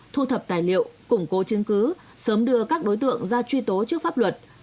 thu thập tài liệu củng cố chứng cứ sớm đưa các đối tượng ra truy tố trước pháp luật